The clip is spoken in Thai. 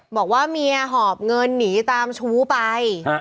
บอกว่าเมียหอบเงินหนีตามชู้ไป